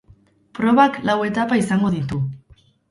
Probak lau etapa izango ditu.